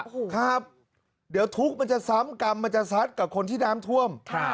โอ้โหครับเดี๋ยวทุกข์มันจะซ้ำกรรมมันจะซัดกับคนที่น้ำท่วม